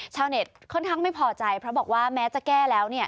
ชาวเน็ตค่อนข้างไม่พอใจเพราะบอกว่าแม้จะแก้แล้ว